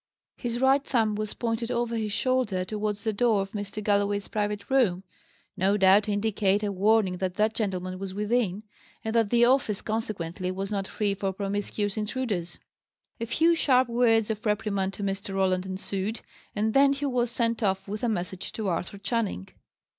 His right thumb was pointed over his shoulder towards the door of Mr. Galloway's private room; no doubt, to indicate a warning that that gentleman was within, and that the office, consequently, was not free for promiscuous intruders. A few sharp words of reprimand to Mr. Roland ensued, and then he was sent off with a message to Arthur Channing.